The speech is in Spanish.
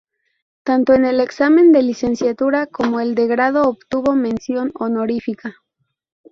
Tanto en el examen de licenciatura como los de grado obtuvo mención honorífica.